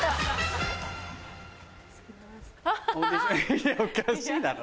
いやおかしいだろ。